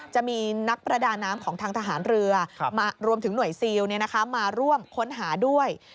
จะมีนักประดาน้ำของทางทหารเรือรวมถึงหน่วยซิลมาร่วมค้นหาด้วย